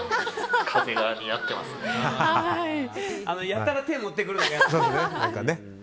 やたら手持ってくるのがね。